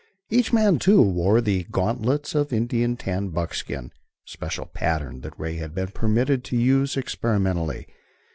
Each man, too, wore the gauntlets of Indian tanned buckskin, a special pattern that Ray had been permitted to use experimentally.